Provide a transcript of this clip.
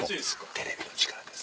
テレビの力です。